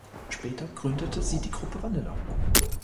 Später gründete sie die Gruppe Vanilla.